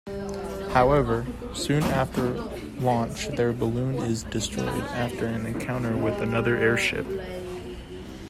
However, soon after launch their balloon is destroyed after an encounter with another airship.